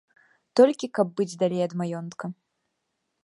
Толькі каб быць далей ад маёнтка.